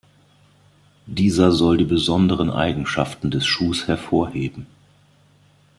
Dieser soll die besonderen Eigenschaften des Schuhs hervorheben.